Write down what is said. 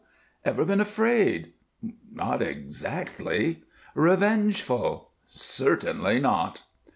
"Ever been afraid?" "Not exactly." "Revengeful?" "Certainly not."